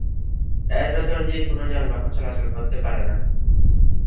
এর ভেতর দিয়ে কোন যানবাহন চলাচল করতে পারে না।